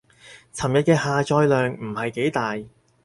尋日嘅下載量唔係幾大